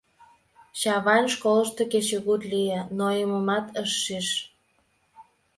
Чавайн школышто кечыгут лие, нойымымат ыш шиж.